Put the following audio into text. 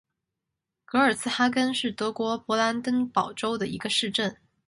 格尔茨哈根是德国勃兰登堡州的一个市镇。